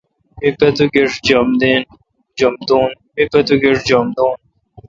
می پتو پیݭ جم دون۔